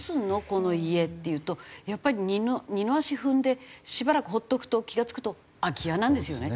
この家っていうとやっぱり二の足踏んでしばらく放っておくと気が付くと空き家なんですよね。